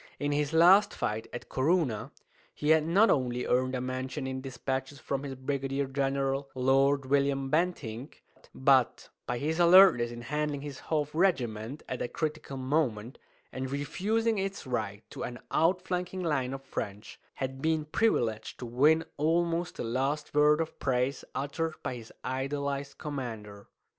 In his last fight, at Corunna, he had not only earned a mention in despatches from his brigadier general, Lord William Bentinck, but by his alertness in handling his half regiment at a critical moment, and refusing its right to an outflanking line of French, had been privileged to win almost the last word of praise uttered by his idolized commander.